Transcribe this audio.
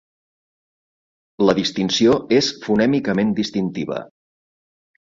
La distinció és fonèmicament distintiva.